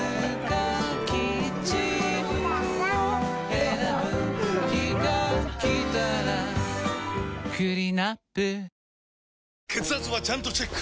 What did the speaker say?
選ぶ日がきたらクリナップ血圧はちゃんとチェック！